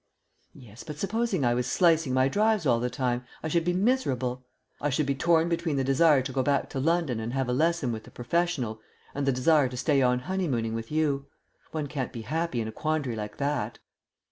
"Yes, but supposing I was slicing my drives all the time, I should be miserable. I should be torn between the desire to go back to London and have a lesson with the professional and the desire to stay on honeymooning with you. One can't be happy in a quandary like that."